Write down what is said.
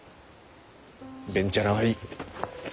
べんちゃらはいい。